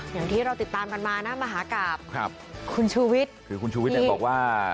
อย่างที่เราติดตามกันมานะมหากราบครับคุณชูวิทย์คือคุณชูวิทย์ยังบอกว่า